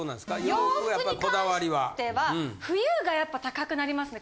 洋服に関しては冬がやっぱ高くなりますね。